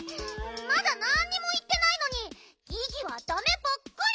まだなんにもいってないのにギギはダメばっかり！